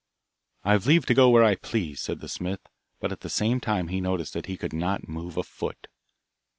'I've leave to go where I please,' said the smith, but at the same time he noticed that he could not move a foot.